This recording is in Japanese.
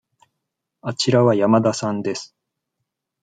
あちらは山田さんです。